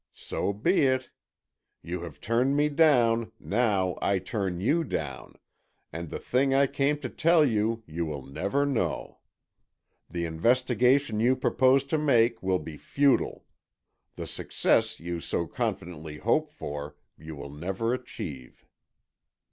So be it. You have turned me down, now I turn you down, and the thing I came to tell you, you will never know. The investigation you propose to make will be futile; the success you so confidently hope for you will never achieve."